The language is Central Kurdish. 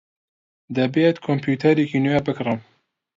دەبێت کۆمپیوتەرێکی نوێ بکڕم.